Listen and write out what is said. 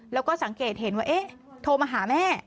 แล้วก็สังเกตเห็นว่าเอ๊ะโทรมาหาแม่